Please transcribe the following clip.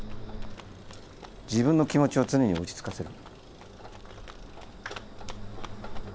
自分の気持ちを常に落ち着かせる。